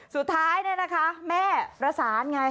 สุดท้ายเนี่ยนะคะแม่ประสานไง